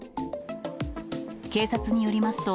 警察によりますと、